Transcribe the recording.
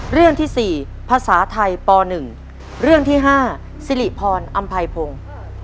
เรื่องที่สี่ภาษาไทยปหนึ่งเรื่องที่ห้าสิริพรอำภัยพงษ์